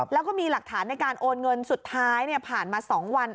แล้วก็มีหลักฐานในการโอนเงินสุดท้ายผ่านมา๒วัน